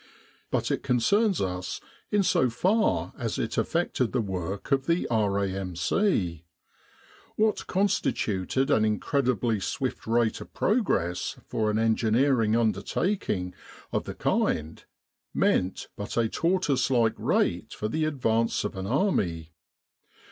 But it concerns us in so far as it affected the work of the R.A.M.C. What constituted an incredibly swift rate of progress for an engineering undertaking of the kind, meant but a tortoise like rate for the advance of an army.